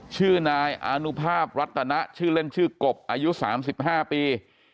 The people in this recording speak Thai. ชื่อนายอานุภาพรัตนะชื่อเล่นชื่อกบอายุ๓๕ปี